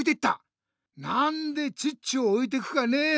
なんでチッチをおいてくかね。